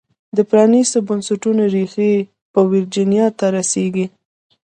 د پرانیستو بنسټونو ریښې په ویرجینیا ته رسېږي.